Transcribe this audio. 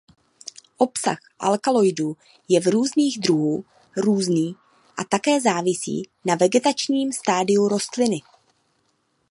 Obsah alkaloidů je u různých druhů různý a také závisí na vegetačním stádiu rostliny.